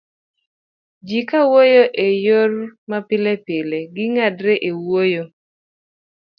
ji kawuoyo e yor mapilepile, ging'adre e wuoyo